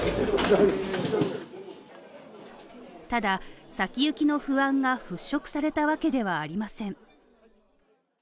ただ、先行きの不安が払拭されたわけではありません。